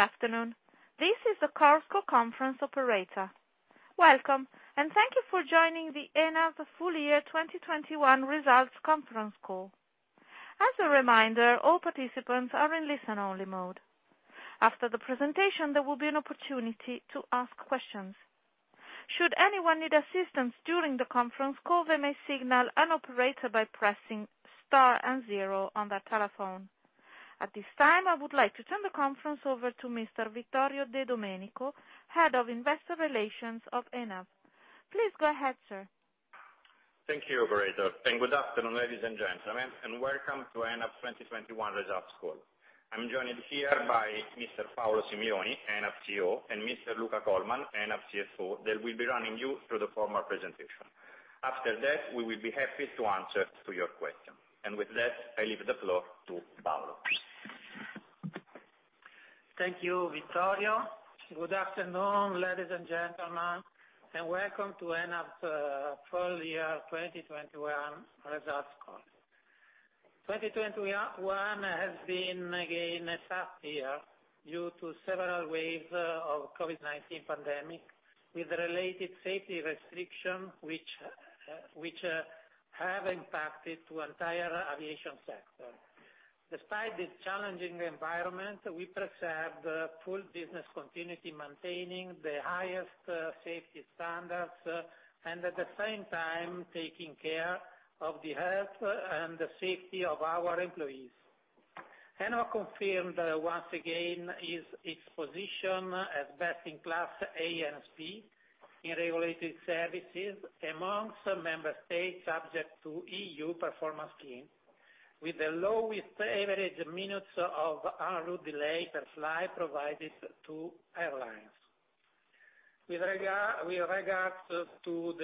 Good afternoon. This is the Chorus Call Conference Operator. Welcome, and thank you for joining the ENAV Full Year 2021 Results Conference Call. As a reminder, all participants are in listen-only mode. After the presentation, there will be an opportunity to ask questions. Should anyone need assistance during the conference call, they may signal an operator by pressing star and zero on their telephone. At this time, I would like to turn the conference over to Mr. Vittorio De Domenico, Head of Investor Relations of ENAV. Please go ahead, sir. Thank you, operator. Good afternoon, ladies and gentlemen, and welcome to ENAV 2021 results call. I'm joined here by Mr. Paolo Simioni, ENAV CEO, and Mr. Luca Colman, ENAV CFO. They will be running you through the formal presentation. After that, we will be happy to answer to your question. With that, I leave the floor to Paolo. Thank you, Vittorio. Good afternoon, ladies and gentlemen, and welcome to ENAV full year 2021 results call. 2021 has been again a tough year due to several waves of COVID-19 pandemic, with related safety restrictions which have impacted the entire aviation sector. Despite this challenging environment, we preserved full business continuity, maintaining the highest safety standards, and at the same time, taking care of the health and the safety of our employees. ENAV confirmed once again its position as best-in-class ANSP in regulated services among member states subject to EU performance scheme, with the lowest average minutes of en route delay per flight provided to airlines. With regards to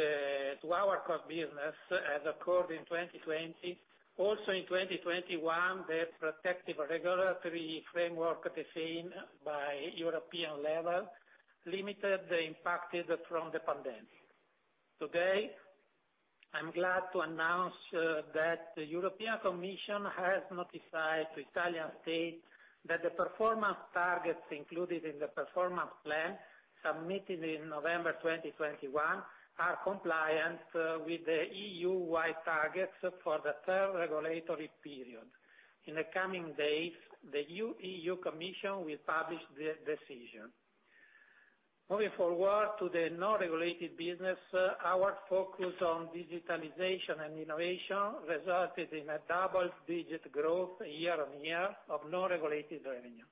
our core business, as occurred in 2020, also in 2021, the protective regulatory framework defined by European level limited the impact from the pandemic. Today, I'm glad to announce that the European Commission has notified the Italian state that the performance targets included in the performance plan submitted in November 2021 are compliant with the EU-wide targets for the third regulatory period. In the coming days, the EU Commission will publish the decision. Moving forward to the non-regulated business, our focus on digitalization and innovation resulted in a double-digit growth year on year of non-regulated revenue.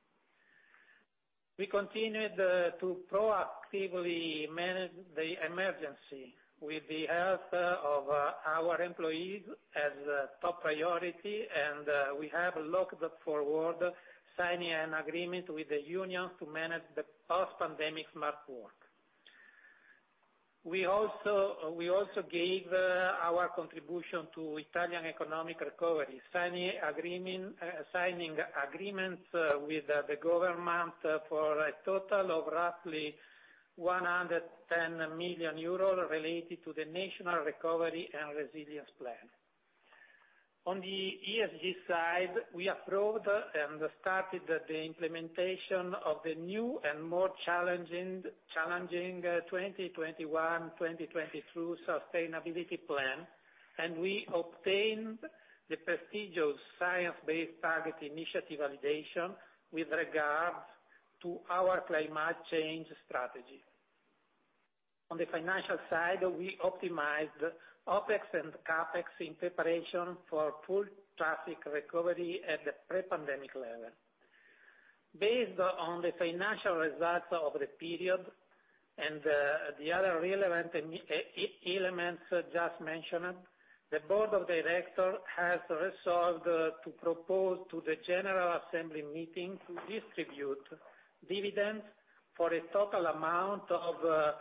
We continued to proactively manage the emergency with the health of our employees as top priority, and we have looked forward to signing an agreement with the union to manage the post-pandemic smart work. We also gave our contribution to Italian economic recovery, signing agreements with the government for a total of roughly 110 million related to the National Recovery and Resilience Plan. On the ESG side, we approved and started the implementation of the new and more challenging 2021-2022 sustainability plan, and we obtained the prestigious Science Based Targets initiative validation with regards to our climate change strategy. On the financial side, we optimized OpEx and CapEx in preparation for full traffic recovery at the pre-pandemic level. Based on the financial results of the period and the other relevant elements just mentioned, the board of director has resolved to propose to the general assembly meeting to distribute dividends for a total amount of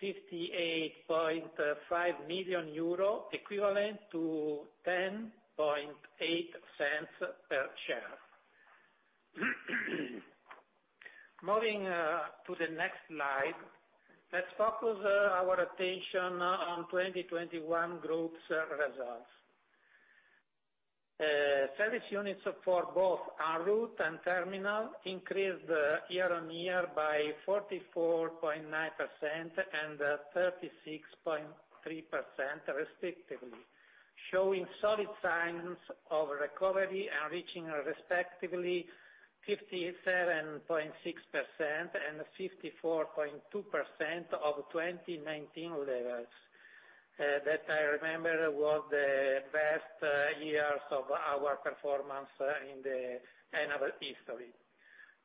58.5 million euro, equivalent to 0.108 per share. Moving to the next slide, let's focus our attention on 2021 Group's results. Service units for both en route and terminal increased year-on-year by 44.9% and 36.3% respectively, showing solid signs of recovery and reaching respectively 57.6% and 54.2% of 2019 levels. That I remember was the best years of our performance in the ENAV history.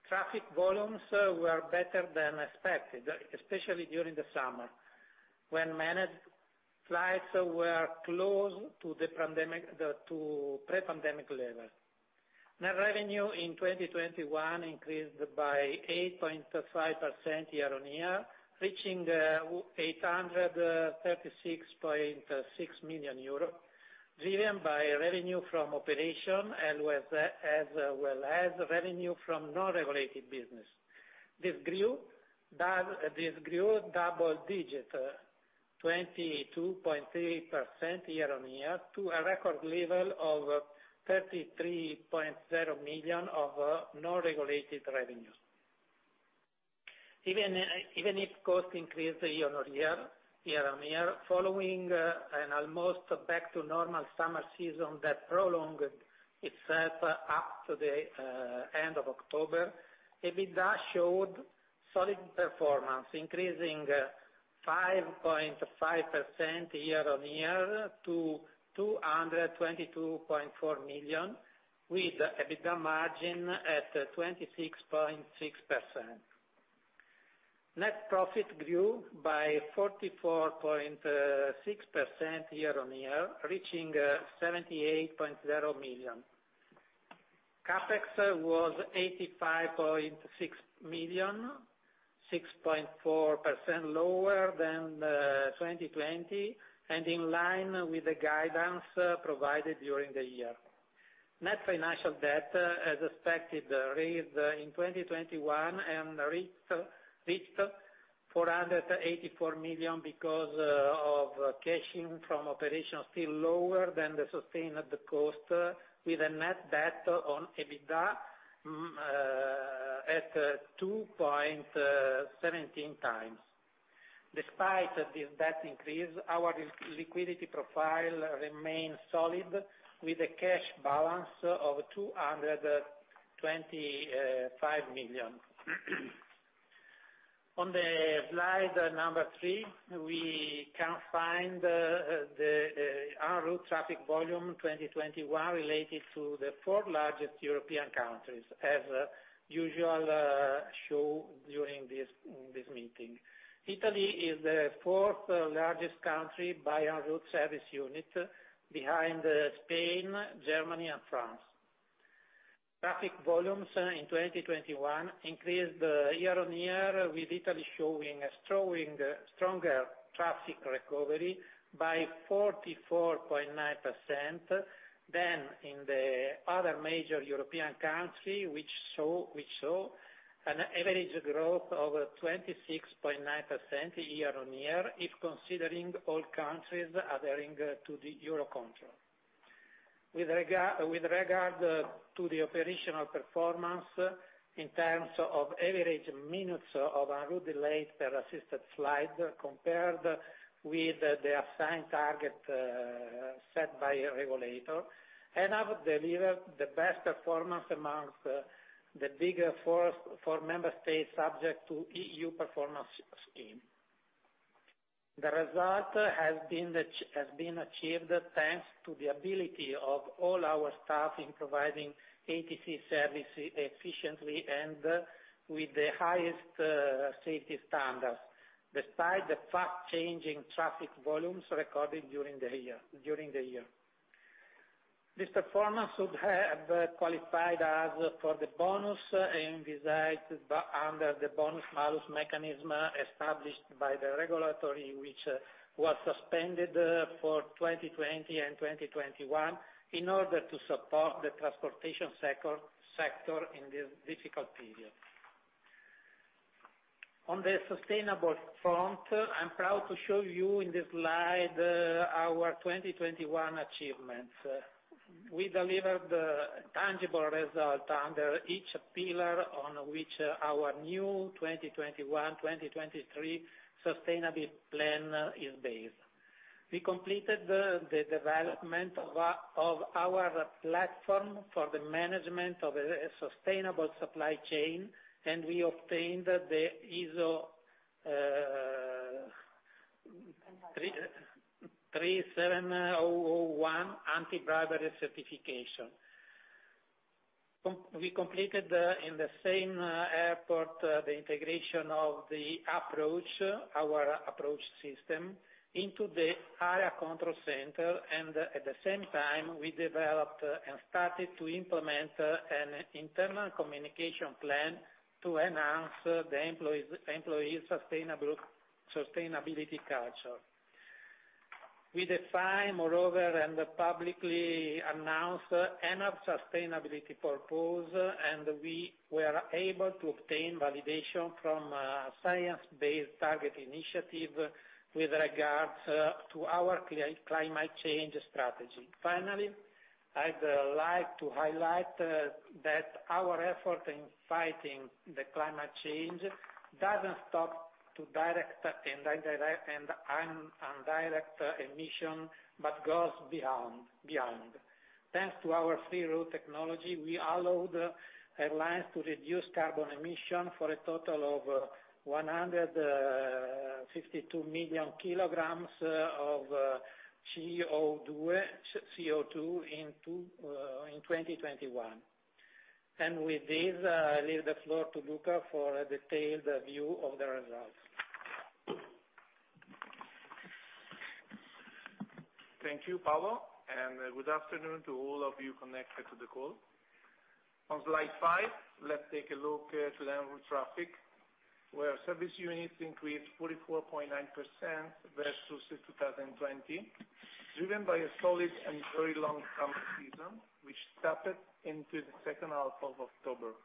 Traffic volumes were better than expected, especially during the summer, when managed flights were close to pre-pandemic level. Net revenue in 2021 increased by 8.5% year-on-year, reaching 836.6 million euros, driven by revenue from operations, as well as revenue from non-regulated business. This grew double digits, 22.3% year-on-year to a record level of 33.0 million of non-regulated revenues. Even if costs increased year on year, following an almost back to normal summer season that prolonged itself up to the end of October, EBITDA showed solid performance, increasing 5.5% year-on-year to 222.4 million, with EBITDA margin at 26.6%. Net profit grew by 44.6% year-on-year, reaching 78.0 million. CapEx was 85.6 million, 6.4% lower than 2020, and in line with the guidance provided during the year. Net financial debt, as expected, raised in 2021 and reached 484 million because cash from operations still lower than the investment cost, with a net debt to EBITDA at 2.17 times. Despite this debt increase, our liquidity profile remains solid, with a cash balance of 225 million. On the slide number three, we can find the en route traffic volume 2021 related to the four largest European countries, as usual, shown during this meeting. Italy is the fourth largest country by en route service unit behind Spain, Germany and France. Traffic volumes in 2021 increased year-on-year, with Italy showing stronger traffic recovery by 44.9% than in the other major European countries, which saw an average growth of 26.9% year-on-year if considering all countries adhering to the EUROCONTROL. With regard to the operational performance in terms of average minutes of en route delay per assisted flight compared with the assigned target set by regulator, ENAV delivered the best performance amongst the big four member states subject to EU performance scheme. The result has been achieved thanks to the ability of all our staff in providing ATC services efficiently and with the highest safety standards, despite the fast-changing traffic volumes recorded during the year. This performance would have qualified us for the bonus envisaged under the bonus malus mechanism established by the regulation, which was suspended for 2020 and 2021 in order to support the transportation sector in this difficult period. On the sustainable front, I'm proud to show you in this slide our 2021 achievements. We delivered tangible results under each pillar on which our new 2021-2023 sustainability plan is based. We completed the development of our platform for the management of a sustainable supply chain, and we obtained the ISO 37001 anti-bribery certification. We completed in the same airport the integration of our approach system into the air traffic control center, and at the same time, we developed and started to implement an internal communication plan to enhance the employees' sustainability culture. We moreover defined and publicly announced ENAV's sustainability proposal, and we were able to obtain validation from the Science Based Targets initiative with regards to our climate change strategy. Finally, I'd like to highlight that our effort in fighting the climate change doesn't stop at direct and indirect emissions, but goes beyond. Thanks to our Free Route technology, we allowed airlines to reduce carbon emissions for a total of 152 million kilograms of CO2 in 2021. With this, I leave the floor to Luca for a detailed view of the results. Thank you, Paolo, and good afternoon to all of you connected to the call. On slide five, let's take a look to the en route traffic, where service units increased 44.9% versus 2020, driven by a solid and very long summer season, which tapped into the second half of October.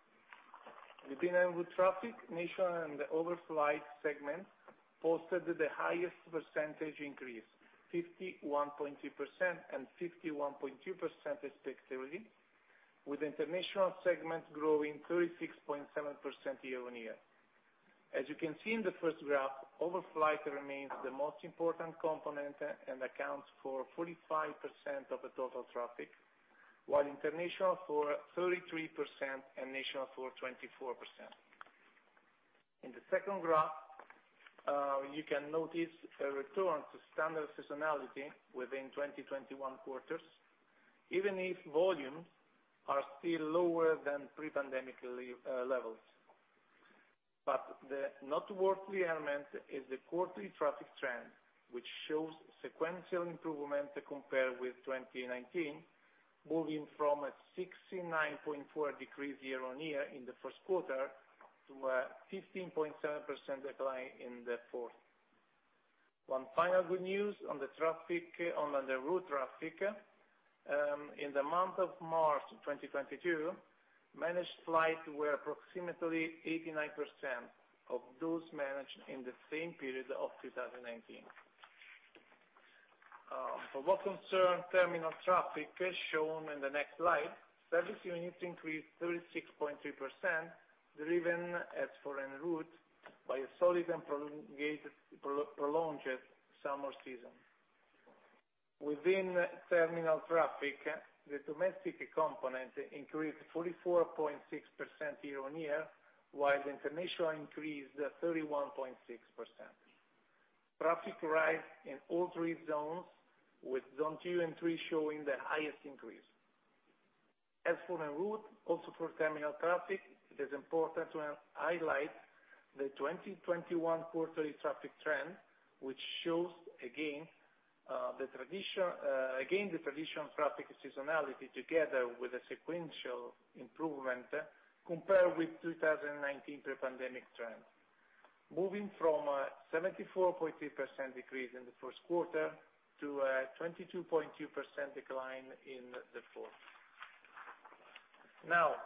Within en route traffic, national and overflight segments posted the highest percentage increase, 51.2% and 51.2% respectively, with international segments growing 36.7% year-on-year. As you can see in the first graph, overflight remains the most important component and accounts for 45% of the total traffic, while international for 33% and national for 24%. In the second graph, you can notice a return to standard seasonality within 2021 quarters, even if volumes are still lower than pre-pandemic levels. The noteworthy element is the quarterly traffic trend, which shows sequential improvement compared with 2019, moving from a 69.4% decrease year-on-year in the first quarter to a 15.7% decline in the fourth. One final good news on the traffic, on the en route traffic, in the month of March 2022, managed flights were approximately 89% of those managed in the same period of 2019. For what concerns terminal traffic, as shown in the next slide, service units increased 36.3%, driven, as for en route, by a solid and prolonged summer season. Within terminal traffic, the domestic component increased 44.6% year-on-year, while international increased 31.6%. Traffic rose in all three zones, with zone two and three showing the highest increase. As for en route, also for terminal traffic, it is important to highlight the 2021 quarterly traffic trend, which shows again the traditional traffic seasonality, together with a sequential improvement compared with 2019 pre-pandemic trends, moving from a 74.3% decrease in the first quarter to a 22.2% decline in the fourth. Now,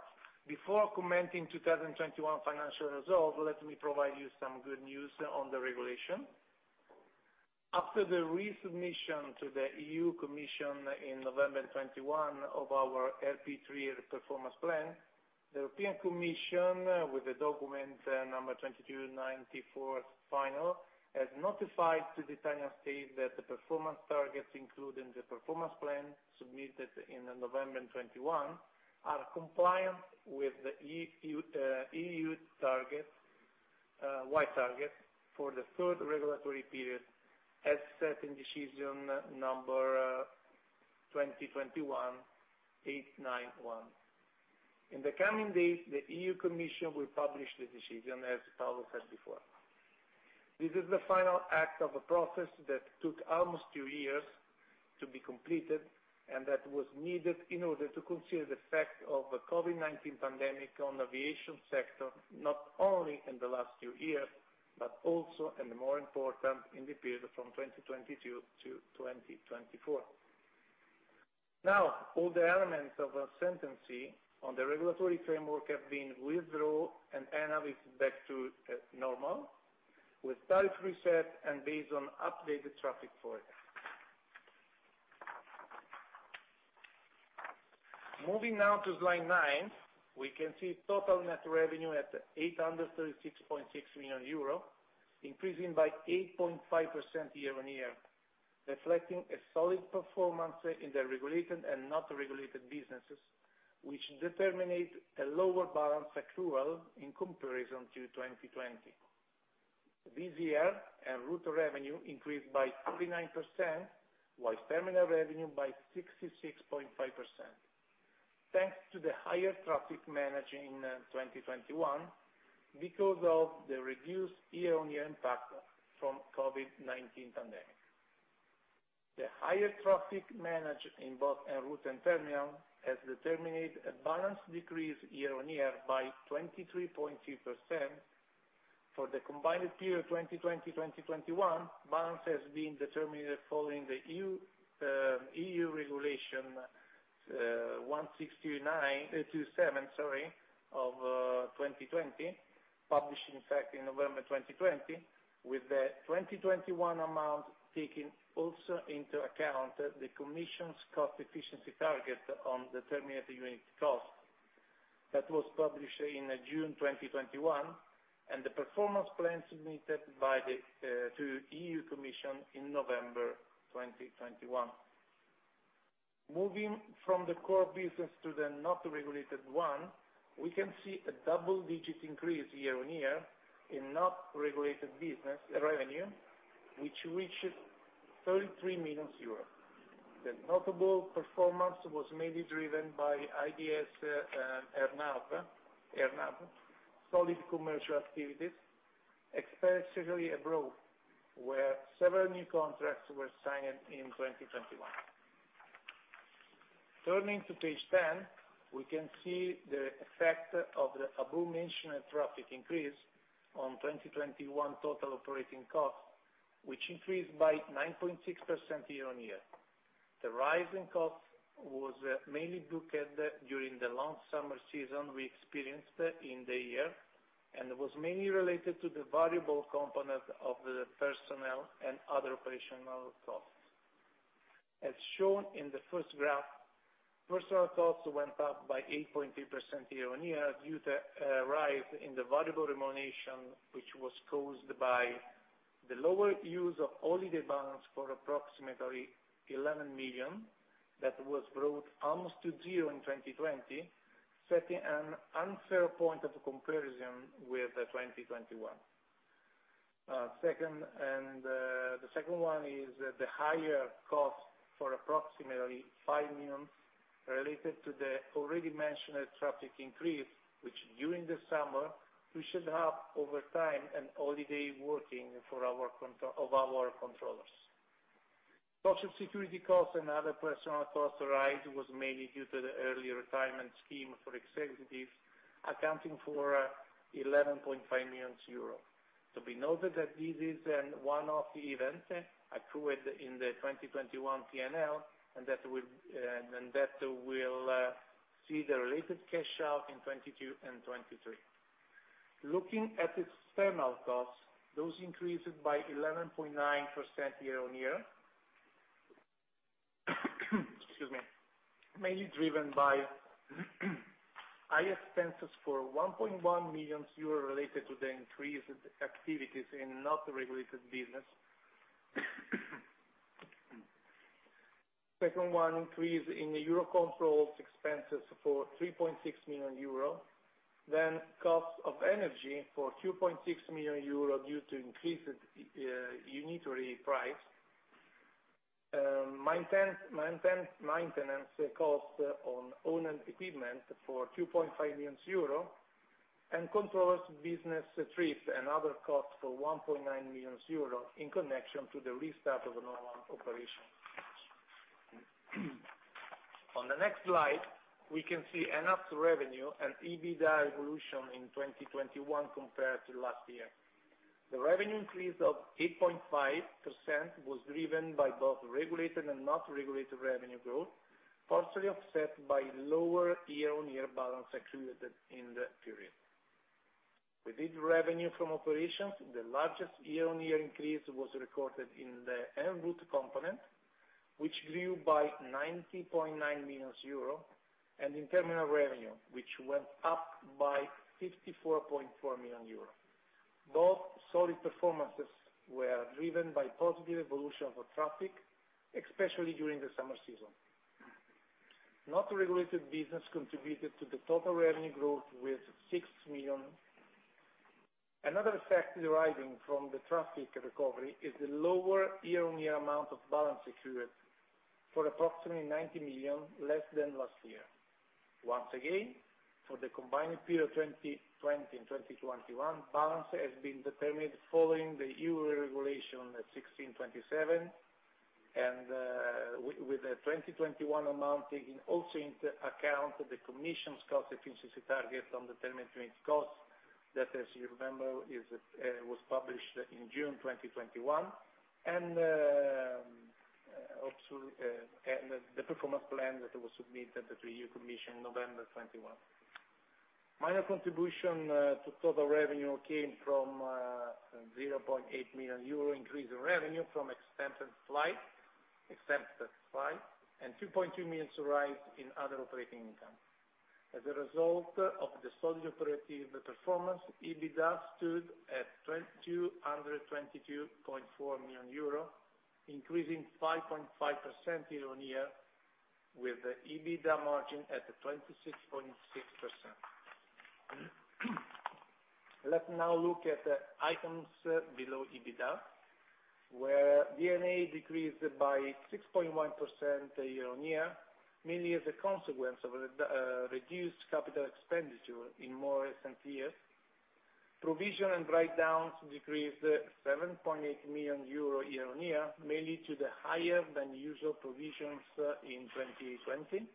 before commenting 2021 financial results, let me provide you some good news on the regulation. After the resubmission to the European Commission in November 2021 of our RP3 performance plan, the European Commission, with the document COM(2022)294 final, has notified to the Italian state that the performance targets included in the performance plan submitted in November 2021 are compliant with the EU-wide targets for the third regulatory period, as set in Decision EU 2021/891. In the coming days, the European Commission will publish the decision, as Paolo said before. This is the final act of a process that took almost two years to be completed, and that was needed in order to consider the effect of the COVID-19 pandemic on aviation sector, not only in the last two years, but also, and more important, in the period from 2022 to 2024. Now, all the elements of suspension on the regulatory framework have been withdrawn and analyzed back to normal with tariff reset and based on updated traffic forecast. Moving now to slide nine, we can see total net revenue at 836.6 million euro, increasing by 8.5% year-on-year, reflecting a solid performance in the regulated and not regulated businesses, which determined a lower balance accrual in comparison to 2020. This year, en route revenue increased by 39%, while terminal revenue by 66.5%, thanks to the higher traffic managed in 2021 because of the reduced year-on-year impact from COVID-19 pandemic. The higher traffic managed in both en route and terminal has determined a balance decrease year-on-year by 23.2%. For the combined period 2020-2021, balance has been determined following the EU Regulation 2020/1627 of 2020, published in fact in November 2020, with the 2021 amount taking also into account the Commission's cost efficiency target on determining the unit cost that was published in June 2021, and the performance plan submitted to the EU Commission in November 2021. Moving from the core business to the not regulated one, we can see a double-digit increase year-on-year in not regulated business revenue, which reaches 33 million euros. The notable performance was mainly driven by IDS AirNav solid commercial activities, especially abroad, where several new contracts were signed in 2021. Turning to page 10, we can see the effect of the above-mentioned traffic increase on 2021 total operating costs, which increased by 9.6% year-on-year. The rise in cost was mainly booked during the long summer season we experienced in the year, and was mainly related to the variable component of the personnel and other operational costs. As shown in the first graph, personnel costs went up by 8.3% year-on-year due to a rise in the variable remuneration, which was caused by the lower use of holiday balance for approximately 11 million, that was brought almost to zero in 2020, setting an unfair point of comparison with 2021. Second, the second one is the higher cost for approximately 5 million related to the already mentioned traffic increase, which during the summer we should have overtime and holiday working for our controllers. Social security costs and other personnel cost rise was mainly due to the early retirement scheme for executives, accounting for 11.5 million euros. To be noted that this is a one-off event occurred in the 2021 P&L, and that will see the related cash out in 2022 and 2023. Looking at external costs, those increased by 11.9% year-on-year, excuse me, mainly driven by high expenses for 1.1 million euro related to the increased activities in non-regulated business. Second one, increase in the EUROCONTROL's expenses for 3.6 million euro. Cost of energy for 2.6 million euro due to increased unitary price. Maintenance cost on owned equipment for 2.5 million euro, and controllers business trips and other costs for 1.9 million euro in connection to the restart of the normal operations. On the next slide, we can see ENAV revenue and EBITDA evolution in 2021 compared to last year. The revenue increase of 8.5% was driven by both regulated and non-regulated revenue growth, partially offset by lower year-on-year balance accumulated in the period. Within revenue from operations, the largest year-on-year increase was recorded in the en route component, which grew by 90.9 million euro, and in terminal revenue, which went up by 54.4 million euro. Both solid performances were driven by positive evolution for traffic, especially during the summer season. Non-regulated business contributed to the total revenue growth with 6 million. Another effect deriving from the traffic recovery is the lower year-on-year amount of balance accrued, for approximately 90 million less than last year. Once again, for the combined period 2020 and 2021, balance has been determined following the EU Regulation 2020/1627, and with the 2021 amount taking also into account the Commission's cost efficiency target on determined transfer costs that, as you remember, was published in June 2021, and also the performance plan that was submitted to European Commission November 2021. Minor contribution to total revenue came from 0.8 million euro increase in revenue from exempted flight and 2.2 million rise in other operating income. As a result of the solid operational performance, EBITDA stood at 222.4 million euro, increasing 5.5% year-on-year, with the EBITDA margin at 26.6%. Let's now look at the items below EBITDA, where D&A decreased by 6.1% year-on-year, mainly as a consequence of a reduced capital expenditure in more recent years. Provisions and write-downs decreased 7.8 million euro year-on-year, mainly due to the higher than usual provisions in 2020,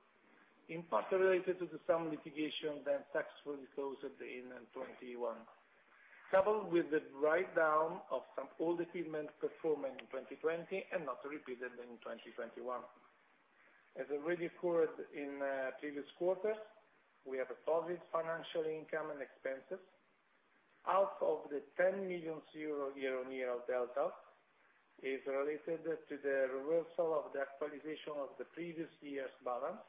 in part related to some litigation then successfully closed in 2021, coupled with the write-down of some old equipment performing in 2020 and not repeated in 2021. As already occurred in previous quarters, we have a positive financial income and expenses. Out of the 10 million euro year-on-year delta is related to the reversal of the actualization of the previous year's balance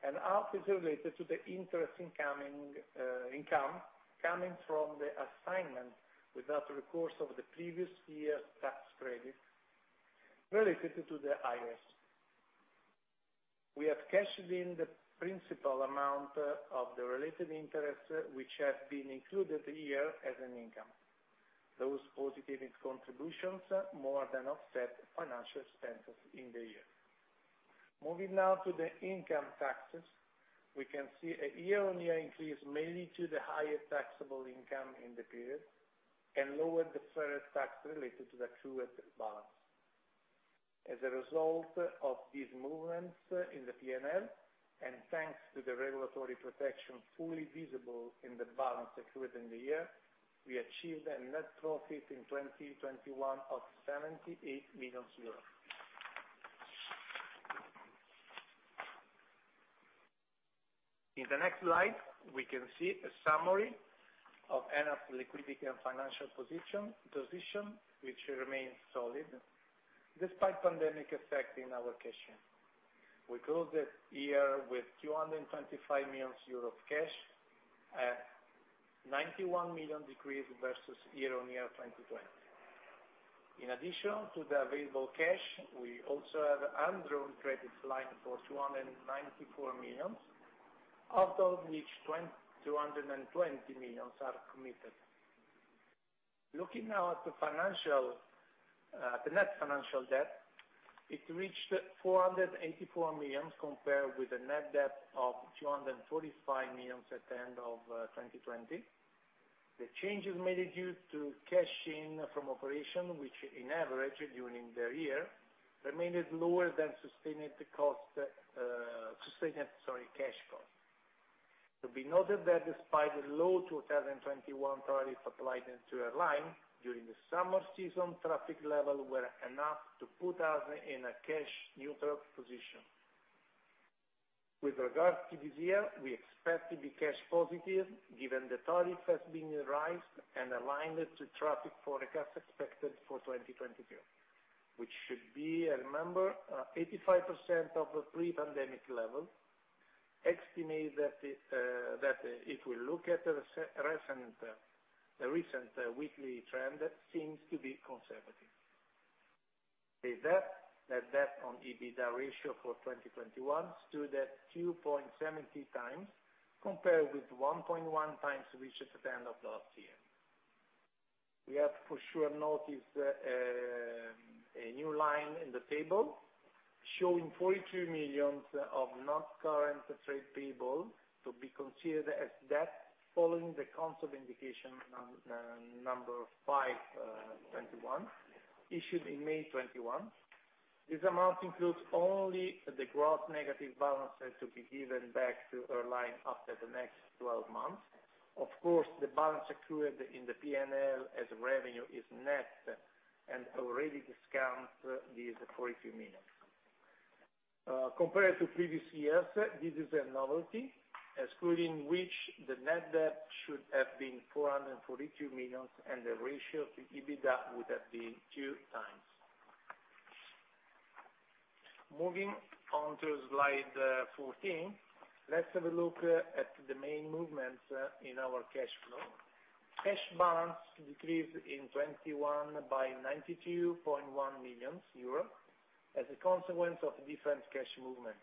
and half is related to the interest incoming income coming from the assignment without recourse of the previous year's tax credit related to the IRES. We have cashed in the principal amount of the related interest, which has been included here as an income. Those positive contributions more than offset financial expenses in the year. Moving now to the income taxes, we can see a year-on-year increase, mainly to the higher taxable income in the period and lower deferred tax related to the accrued balance. As a result of these movements in the P&L, and thanks to the regulatory protection fully visible in the balance accrued in the year. We achieved a net profit in 2021 of 78 million euros. In the next slide, we can see a summary of ENAV's liquidity and financial position, which remains solid despite pandemic effect in our cash flow. We closed the year with 225 million euros cash at 91 million decrease versus year-on-year 2020. In addition to the available cash, we also have undrawn credit line for 294 million, out of which 220 million are committed. Looking now at the net financial debt, it reached 484 million, compared with a net debt of 245 million at the end of 2020. The change was due to cash from operations, which on average during the year remained lower than cash costs. To be noted that despite the low 2021 tariffs applied to airlines, during the summer season, traffic levels were enough to put us in a cash neutral position. With regard to this year, we expect to be cash positive given the tariff has been raised and aligned to traffic forecast expected for 2022, which should be, remember, 85% of the pre-pandemic level. We estimate that if we look at the recent weekly trend seems to be conservative. The net debt on EBITDA ratio for 2021 stood at 2.70x, compared with 1.1x we reached at the end of last year. We have for sure noticed a new line in the table showing 42 million of noncurrent trade payables to be considered as debt, following the concept indication number 5, 2021, issued in May 2021. This amount includes only the gross negative balances to be given back to airline after the next twelve months. Of course, the balance accrued in the P&L as revenue is net and already discount these 42 million. Compared to previous years, this is a novelty, excluding which the net debt should have been 442 million, and the ratio to EBITDA would have been 2x. Moving on to slide 14, let's have a look at the main movements in our cash flow. Cash balance decreased in 2021 by 92.1 million as a consequence of different cash movements.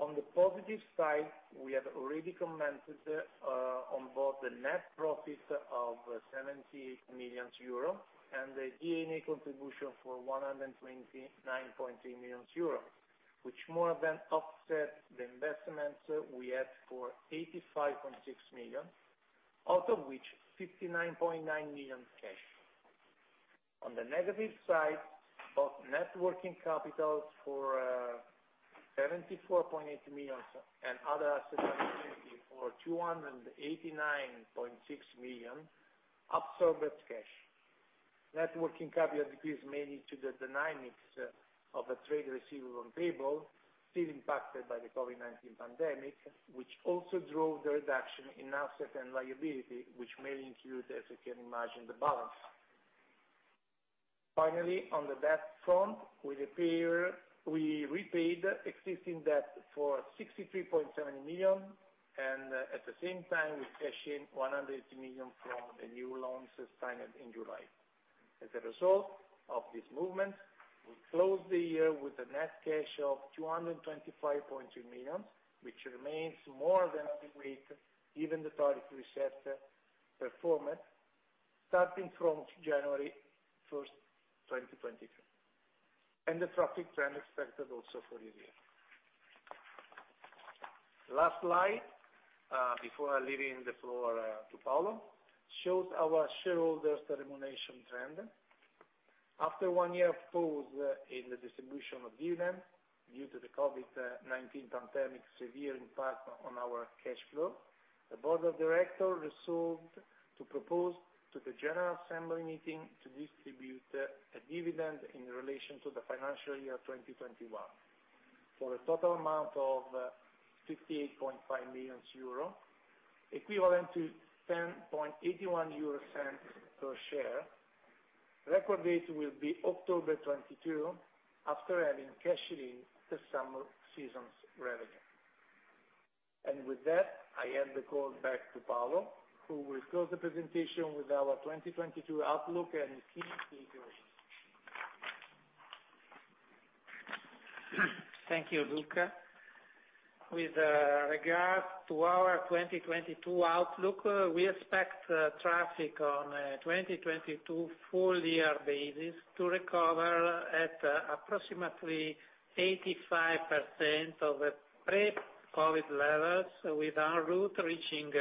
On the positive side, we have already commented on both the net profit of 70 million euros and the D&A contribution for 129.2 million euros, which more than offset the investments we had for 85.6 million, out of which 59.9 million cash. On the negative side, both net working capital for 74.8 million and other assets and liabilities for 289.6 million absorbed cash. Net working capital decreased mainly due to the dynamics of trade receivable and payable, still impacted by the COVID-19 pandemic, which also drove the reduction in assets and liability, which mainly include, as you can imagine, the balance. Finally, on the debt front, we repaid existing debt for 63.7 million and, at the same time, we cashed in 100 million from the new loans signed in July. As a result of this movement, we closed the year with a net cash of 225.2 million, which remains more than adequate given the traffic reset performance starting from January 1, 2023, and the traffic trend expected also for the year. Last slide, before leaving the floor, to Paolo, shows our shareholders' remuneration trend. After one year of pause in the distribution of dividend due to the COVID-19 pandemic severe impact on our cash flow, the board of directors resolved to propose to the general assembly meeting to distribute a dividend in relation to the financial year 2021 for a total amount of 58.5 million euro, equivalent to 0.1081 per share. Record date will be October 2022, after having cashed in the summer season's revenue. With that, I hand the call back to Paolo, who will close the presentation with our 2022 outlook and key figures. Thank you, Luca. With regards to our 2022 outlook, we expect traffic on a 2022 full year basis to recover at approximately 85% of pre-COVID levels, with en route reaching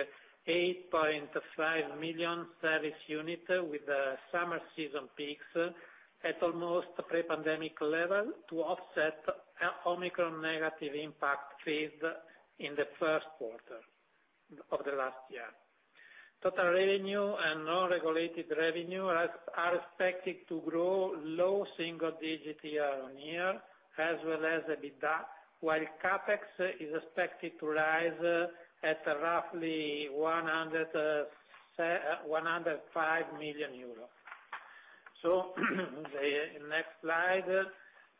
8.5 million service units with the summer season peaks at almost pre-pandemic level to offset Omicron negative impact faced in the first quarter of the last year. Total revenue and non-regulated revenue are expected to grow low single digits year-on-year, as well as EBITDA, while CapEx is expected to rise to roughly EUR 105 million. The next slide,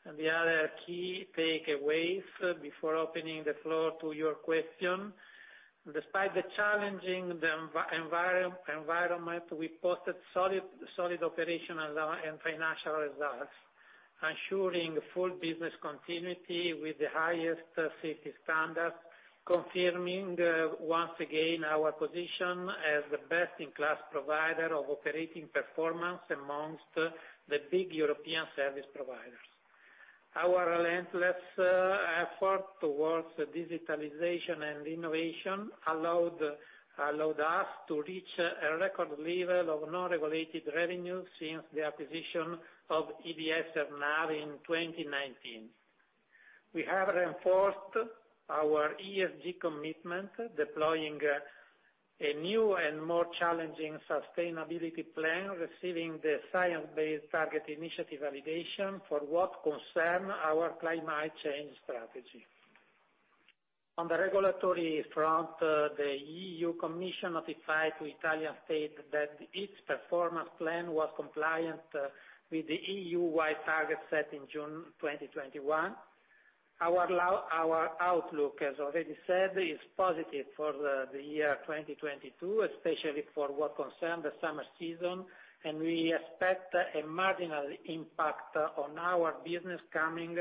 the other key takeaways before opening the floor to your question. Despite the challenging environment, we posted solid operational and financial results, ensuring full business continuity with the highest safety standards, confirming once again our position as the best-in-class provider of operating performance amongst the big European service providers. Our relentless effort towards digitalization and innovation allowed us to reach a record level of non-regulated revenue since the acquisition of IDS AirNav in 2019. We have reinforced our ESG commitment, deploying a new and more challenging sustainability plan, receiving the Science Based Targets initiative validation for what concern our climate change strategy. On the regulatory front, the European Commission notified to Italian state that its performance plan was compliant with the EU-wide target set in June 2021. Our outlook, as already said, is positive for the year 2022, especially for what concern the summer season, and we expect a marginal impact on our business coming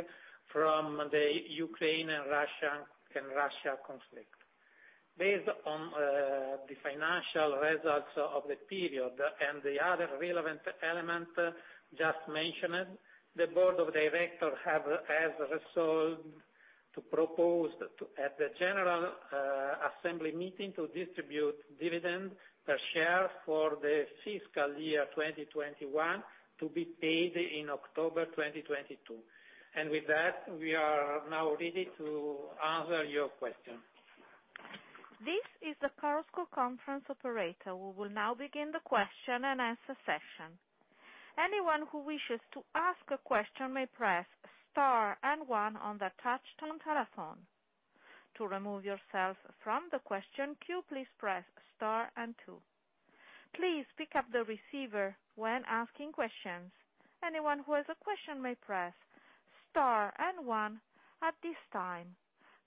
from the Ukraine and Russia conflict. Based on the financial results of the period and the other relevant element just mentioned, the board of directors has resolved to propose to the general assembly meeting to distribute dividend per share for the fiscal year 2021 to be paid in October 2022. With that, we are now ready to answer your question.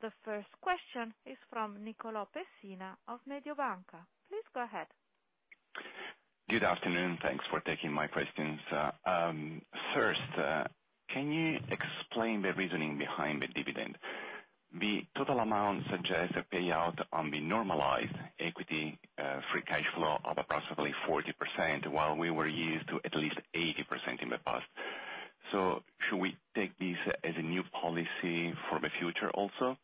The first question is fromNicolò Pessina Good afternoon. Thanks for taking my questions. First, can you explain the reasoning behind the dividend? The total amount suggests a payout on the normalized equity free cash flow of approximately 40%, while we were used to at least 80% in the past. Should we take this as a new policy for the future also?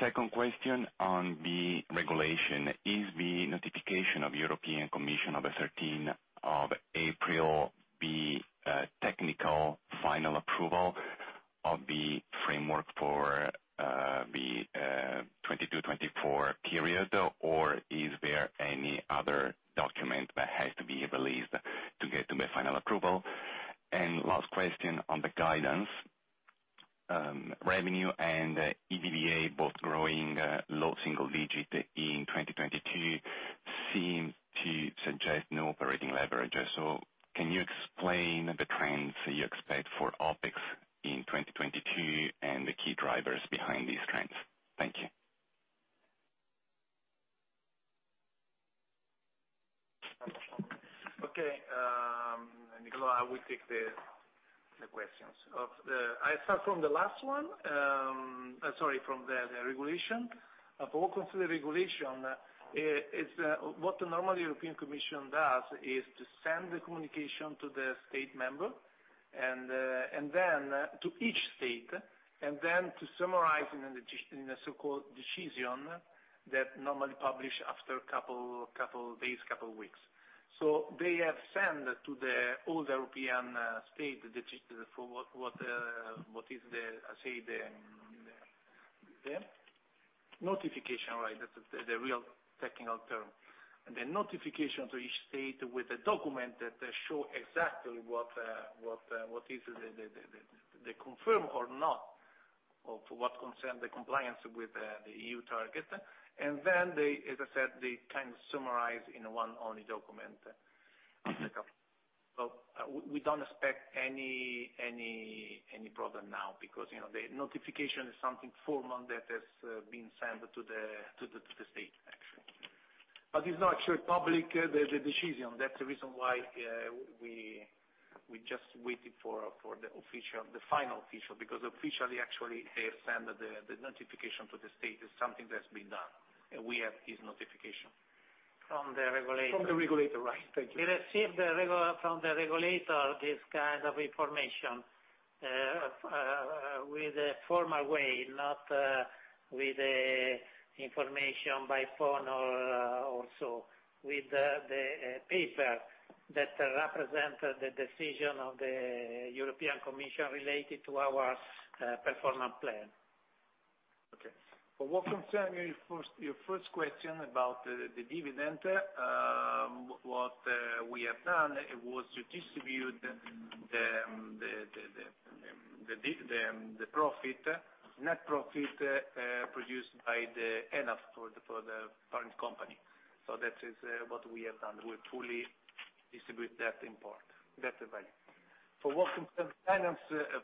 Second question on the regulation. Is the notification of the European Commission of the thirteenth of April the technical final approval of the framework for the 2022-2024 period, or is there any other document that has to be released to get to the final approval? Last question on the guidance. Revenue and EBITDA both growing low single digits in 2022 seem to suggest no operating leverage. Can you explain the trends you expect for OpEx in 2022 and the key drivers behind these trends? Thank you. Okay, Nicolò, I will take the questions. I start from the last one. Sorry, from the regulation. Regarding the regulation, what the normal European Commission does is to send the communication to the member state and then to each state, and then to summarize in a so-called decision that normally is published after a couple days, a couple weeks. They have sent to all European states the decision for what is the notification, right, the real technical term. The notification to each state with a document that shows exactly what is the confirmation or not of what concerns the compliance with the EU target. They, as I said, they kind of summarize in a one-only document. Well, we don't expect any problem now because, you know, the notification is something formal that has been sent to the state, actually. It's not actually public, the decision. That's the reason why we just waited for the official, the final official, because officially, actually, they have sent the notification to the state. It's something that's been done. We have this notification. From the regulator. From the regulator. Right. Thank you. We received from the regulator this kind of information with a formal way, not with information by phone. Also with the paper that represent the decision of the European Commission related to our performance plan. For what concern your first question about the dividend, what we have done was to distribute the profit, net profit produced by the ENAV for the parent company. That is what we have done. We fully distribute that in part, that value. For what concern finance,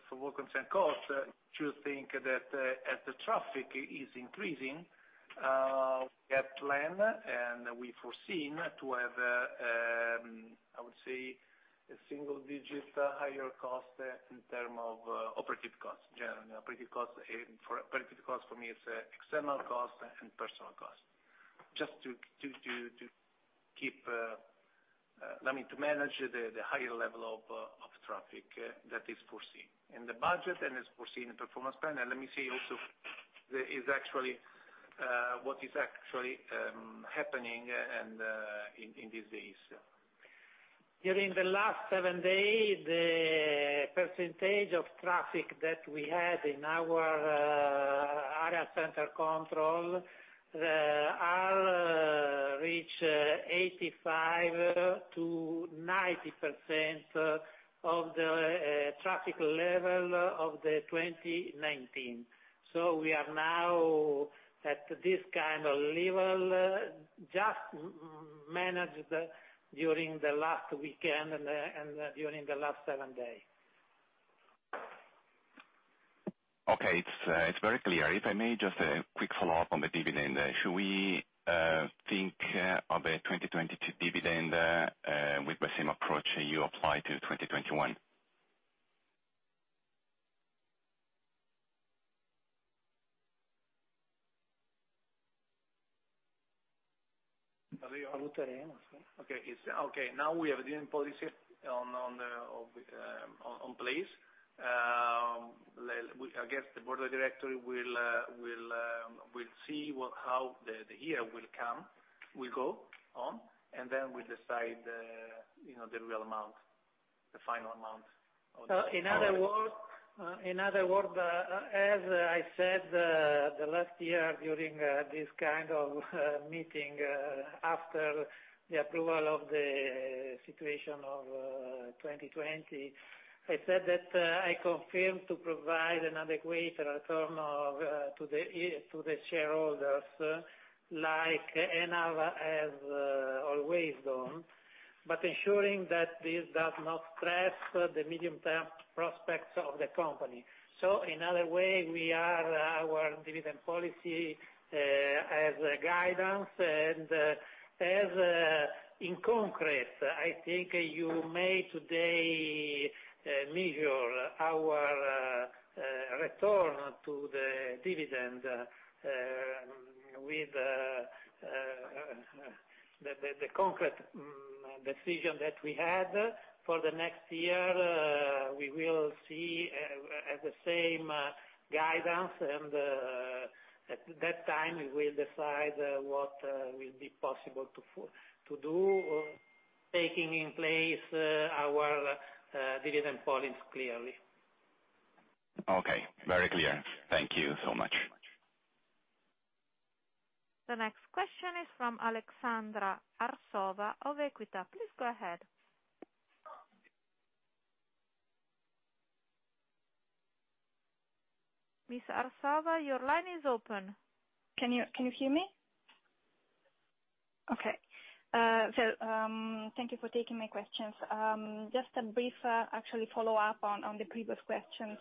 for what concern cost, to think that as the traffic is increasing, we have planned and we foreseen to have I would say a single-digit higher cost in term of operating cost, generally. Operating cost for me is external cost and personnel cost. Just to keep, I mean, to manage the higher level of traffic that is foreseen in the budget and is foreseen in the performance plan. Let me say also, there is actually what is actually happening and in these days. During the last seven days, the percentage of traffic that we had in our area control center has reached 85%-90% of the traffic level of 2019. We are now at this kind of level, just managed during the last weekend and during the last seven days. Okay. It's very clear. If I may, just a quick follow-up on the dividend. Should we think of a 2022 dividend with the same approach you applied to 2021? Okay. It's okay, now we have dividend policy in place. I guess the board of directors will see how the year will go on, and then we decide, you know, the real amount, the final amount of- In other words, as I said last year during this kind of meeting, after the approval of the situation of 2020, I said that I confirm to provide an adequate return to the shareholders, like ENAV has always done, but ensuring that this does not stress the medium-term prospects of the company. Another way we have our dividend policy as guidance and in concrete, I think today you may measure our return to the dividend with the concrete decision that we had for the next year. We will see at the same guidance, and at that time we will decide what will be possible to do, taking in place our dividend policy clearly. Okay. Very clear. Thank you so much. The next question is from Aleksandra Arsovska of Equita. Please go ahead. Ms. Arsovska, your line is open. Can you hear me? Okay. Thank you for taking my questions. Just a brief, actually follow-up on the previous questions.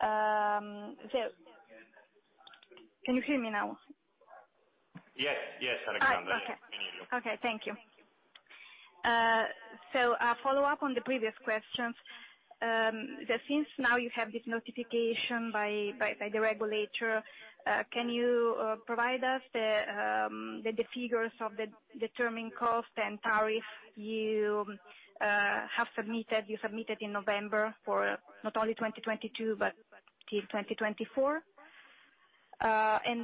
Can you hear me now? Yes. Yes, Aleksandra. Okay. We hear you. Okay. Thank you. A follow-up on the previous questions. Since now you have this notification by the regulator, can you provide us the figures of the determined cost and tariff you submitted in November for not only 2022, but till 2024?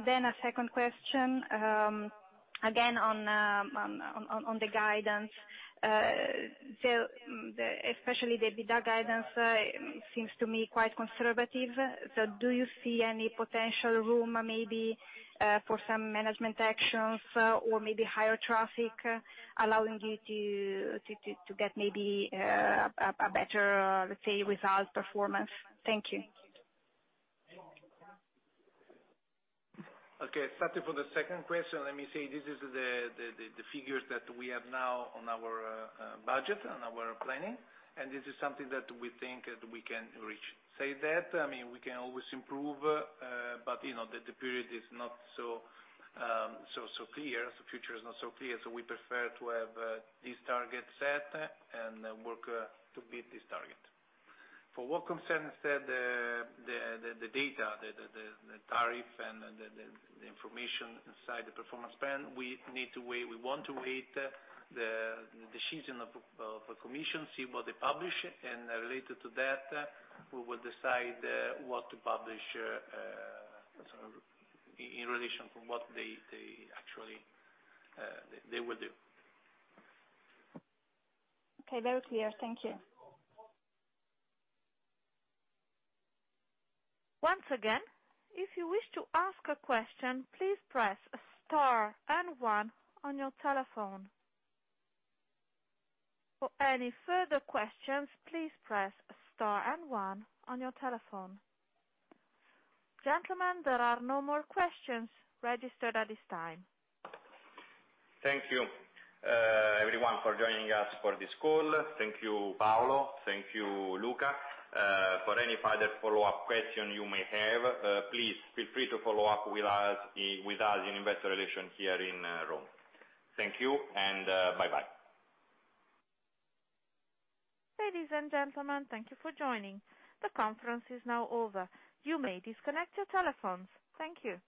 Then a second question, again, on the guidance. Especially the EBITDA guidance seems to me quite conservative. Do you see any potential room maybe for some management actions, or maybe higher traffic allowing you to get maybe a better, let's say, result performance? Thank you. Okay. Starting for the second question, let me say this is the figures that we have now on our budget, on our planning, and this is something that we think that we can reach. Say that, I mean, we can always improve, but you know, the period is not so clear, so future is not so clear, so we prefer to have this target set and work to beat this target. For what concerns the data, the tariff and the information inside the performance plan, we need to wait. We want to wait the decision of the commission, see what they publish, and related to that, we will decide what to publish, so in relation from what they actually will do. Okay. Very clear. Thank you. Once again, if you wish to ask a question, please press star and one on your telephone. For any further questions, please press star and one on your telephone. Gentlemen, there are no more questions registered at this time. Thank you, everyone for joining us for this call. Thank you, Paolo. Thank you, Luca. For any further follow-up question you may have, please feel free to follow up with us in Investor Relations here in Rome. Thank you, and bye-bye. Ladies and gentlemen, thank you for joining. The conference is now over. You may disconnect your telephones. Thank you.